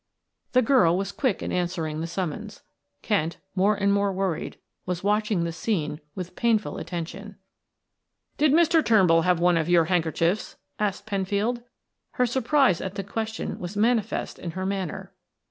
The girl was quick in answering the summons. Kent, more and more worried, was watching the scene with painful attention. "Did Mr. Turnbull have one of your handkerchiefs?" asked Penfield. Her surprise at the question was manifest in her manner.